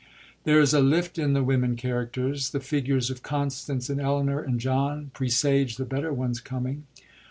There is a lift in the women characters. The figures of Constance and Elinor in John presage the better ones coming.